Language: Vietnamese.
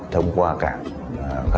thông qua cảng